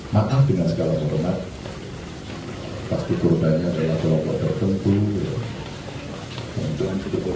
maaf dengan segala perkembangan pasti perubahannya adalah berapa tertentu